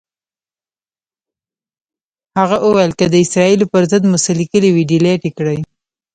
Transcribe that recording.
هغه ویل که د اسرائیلو پر ضد مو څه لیکلي وي، ډیلیټ یې کړئ.